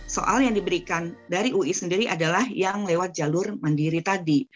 soal yang diberikan dari ui sendiri adalah yang lewat jalur mandiri tadi